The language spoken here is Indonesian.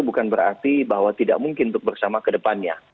bukan berarti bahwa tidak mungkin untuk bersama ke depannya